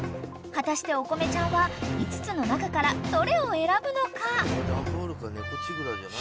［果たしておこめちゃんは５つの中からどれを選ぶのか？］